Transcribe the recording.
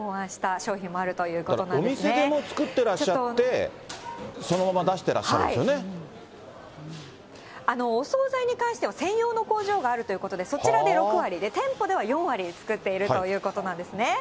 お店でもう作ってらっしゃって、そのまま出してらっしゃるんお総菜に関しては、専用の工場があるということで、そちらで６割で、店舗では４割作っているということなんですね。